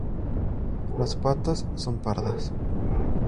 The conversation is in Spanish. Las patas son pardas.